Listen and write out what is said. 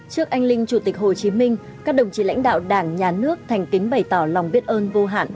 trước anh linh chủ tịch hồ chí minh các đồng chí lãnh đạo đảng nhà nước thành kính bày tỏ lòng biết ơn vô hạn